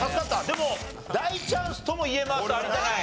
でも大チャンスとも言えます有田ナイン。